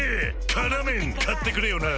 「辛麺」買ってくれよな！